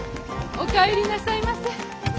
お帰りなさいませ。